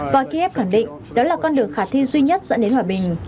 và kiev khẳng định đó là con đường khả thi duy nhất dẫn đến hòa bình